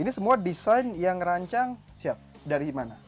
ini semua desain yang rancang siap dari mana